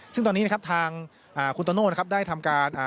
ซึ่งตอนนี้ทางคุณตอนโลได้ทำการ